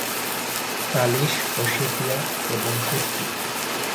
তালিশ, Ossetia এবং কুর্দি।